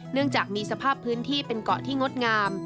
เนื่องจากมีสภาพพื้นที่เป็นเกาะที่งดงาม